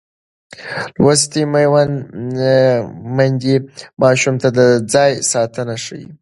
لوستې میندې ماشوم ته د ځان ساتنه ښيي.